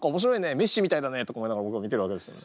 メッシみたいだね！」とか思いながら僕は見てるわけですよね。